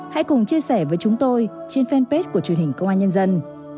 hãy cùng chia sẻ với chúng tôi trên fanpage của truyền hình công an nhân dân